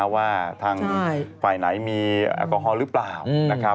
ว่าทางฝ่ายไหนมีอากอฮ่อหรือเปล่า